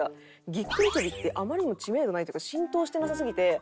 ぎっくり首ってあまりにも知名度ないっていうか浸透してなさすぎて。